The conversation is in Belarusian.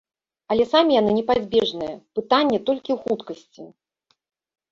Але самі яны непазбежныя, пытанне толькі ў хуткасці.